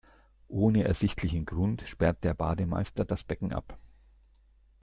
Ohne ersichtlichen Grund sperrt der Bademeister das Becken ab.